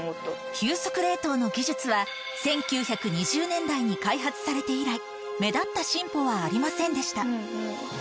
急速冷凍の技術は１９２０年代に開発されて以来目立った進歩はありませんでした